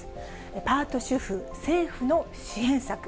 パート主婦、政府の支援策。